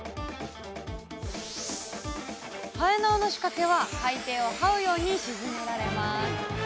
延縄の仕掛けは海底をはうように沈められます。